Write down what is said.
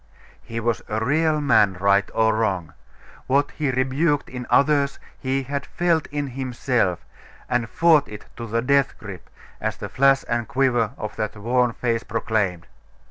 He was a real man, right or wrong. What he rebuked in others, he had felt in himself, and fought it to the death grip, as the flash and quiver of that worn face proclaimed....